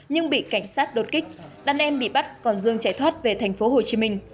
nhưng bị cảnh sát đột kích đàn em bị bắt còn dương chạy thoát về thành phố hồ chí minh